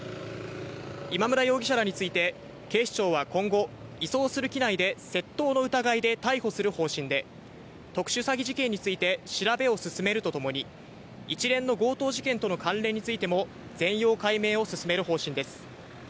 今村容疑者らについて警視庁は今後、移送する機内で窃盗の疑いで逮捕する方針で、特殊詐欺事件について調べを進めるとともに一連の強盗事件との関連についても全容解明を進める方針です。